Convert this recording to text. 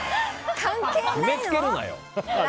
決めつけるなよ。